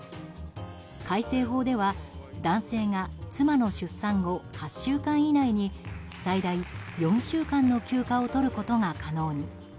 改正法では、男性が妻の出産後８週間以内に最大４週間の休暇を取ることが可能に。